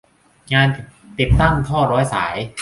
งานติดตั้งท่อร้อยสาย